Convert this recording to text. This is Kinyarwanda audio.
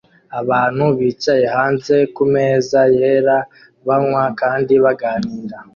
Abantu bicaye hanze kumeza yera banywa kandi baganira